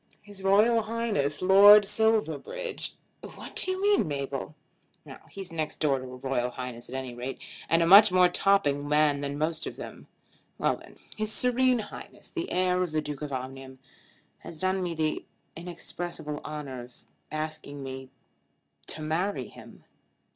His Royal Highness Lord Silverbridge " "What do you mean, Mabel?" "He's next door to a Royal Highness at any rate, and a much more topping man than most of them. Well then; His Serene Highness the heir of the Duke of Omnium has done me the inexpressible honour of asking me to marry him."